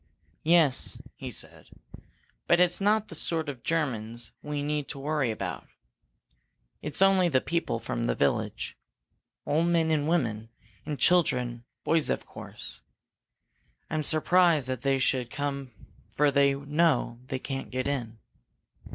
"Yes," he said. "But it's not the sort of Germans we need to worry about. It's only the people from the village. Old men, and women, and children boys, of course. I'm surprised that they should come for they know they can't get in."